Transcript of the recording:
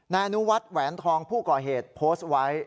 นายอนุวัฒน์แหวนทองผู้ก่อเหตุโพสต์ไว้